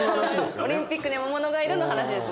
「オリンピックには魔物がいる」の話ですね。